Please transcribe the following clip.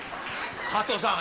加藤さん